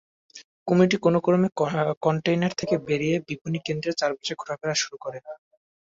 কুমিরটি কোনো ক্রমে কনটেইনার থেকে বেরিয়ে বিপণি কেন্দ্রের চারপাশে ঘোরাফেরা শুরু করে।